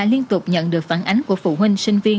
liên tục nhận được phản ánh của phụ huynh sinh viên